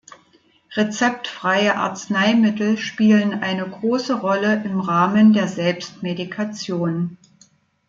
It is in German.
Rezeptfreie Arzneimittel spielen eine große Rolle im Rahmen der Selbstmedikation.